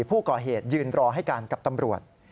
ผู้ก่อเหตุยืนรอให้การกับตำรวจ